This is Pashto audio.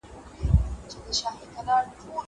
زه له سهاره د کتابتون کتابونه لوستل کوم.